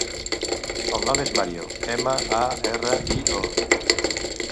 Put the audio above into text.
El nom és Mario: ema, a, erra, i, o.